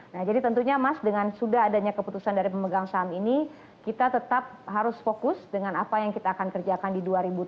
nah jadi tentunya mas dengan sudah adanya keputusan dari pemegang saham ini kita tetap harus fokus dengan apa yang kita akan kerjakan di dua ribu tujuh belas